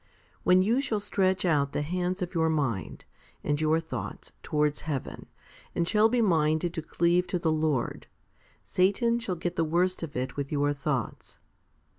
When you shall stretch out the hands of your mind, and your thoughts, towards heaven, and shall be minded to cleave to the Lord, Satan shall get the worst of it with your thoughts.